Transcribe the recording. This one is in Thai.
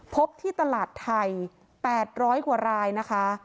พบที่ตลาดไทย๘๐๐กว่ารายนะคะ